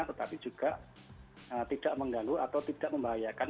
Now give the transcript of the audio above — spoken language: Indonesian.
tetapi juga tidak mengganggu atau tidak membahayakan